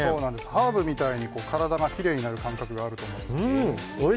ハーブみたいに体がきれいになる感覚があると思います。